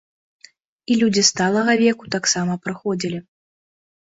І людзі сталага веку таксама прыходзілі.